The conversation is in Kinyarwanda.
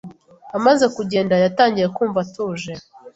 Amaze kugenda, yatangiye kumva atuje.